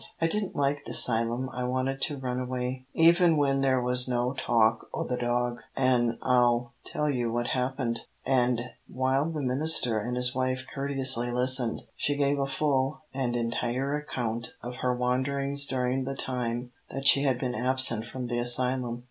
I didn't like the 'sylum, I wanted to run away, even when there was no talk o' the dog, an' I'll tell you what happened," and while the minister and his wife courteously listened, she gave a full and entire account of her wanderings during the time that she had been absent from the asylum.